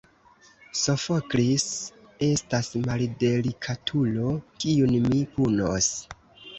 Sofoklis estas maldelikatulo, kiun mi punos.